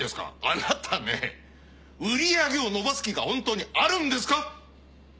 あなたね売り上げを伸ばす気が本当にあるんですか？